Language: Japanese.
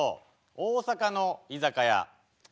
大阪の居酒屋」。